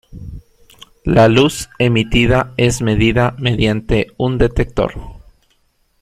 La luz emitida es medida mediante un detector.